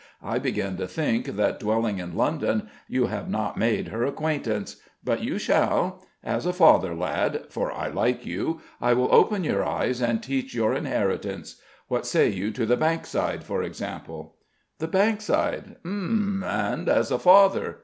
I begin to think that, dwelling in London, you have not made her acquaintance. But you shall. As a father, lad, for I like you, I will open your eyes and teach your inheritance. What say you to the Bankside, for example?" "The Bankside hem! and as a father!"